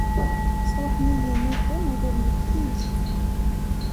Sruḥen-iyi nuddam ula d nekki.